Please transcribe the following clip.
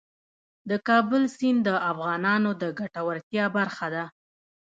د کابل سیند د افغانانو د ګټورتیا برخه ده.